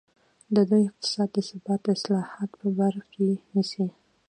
د لوی اقتصاد د ثبات اصلاحات په بر کې نیسي.